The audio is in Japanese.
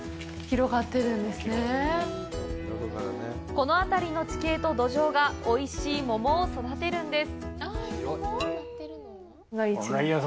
このあたりの地形と土壌がおいしい桃を育てるんです。